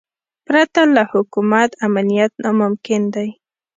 پرته له حکومت امنیت ناممکن دی.